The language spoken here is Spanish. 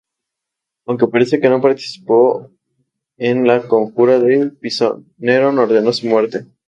Aunque parece que no participó en la conjura de Pisón, Nerón ordenó su muerte.